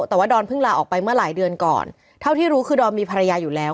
แต่ว่าดอนเพิ่งลาออกไปเมื่อหลายเดือนก่อนเท่าที่รู้คือดอนมีภรรยาอยู่แล้ว